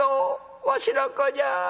わしの子じゃ」。